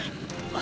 あ！